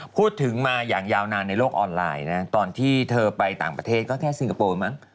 พูดถึงมาอย่างยาวนานในโลกออนไลน์นะตอนที่เธอไปต่างประเทศก็แค่สิงคโปร์มั้ง